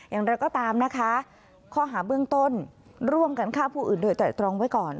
อย่างไรก็ตามนะคะข้อหาเบื้องต้นร่วมกันฆ่าผู้อื่นโดยไตรตรองไว้ก่อน